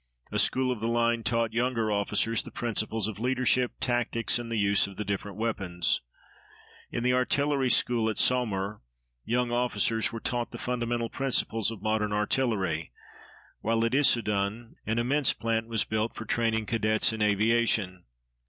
A school of the line taught younger officers the principles of leadership, tactics, and the use of the different weapons. In the artillery school, at Saumur, young officers were taught the fundamental principles of modern artillery; while at Issoudun an immense plant was built for training cadets in aviation.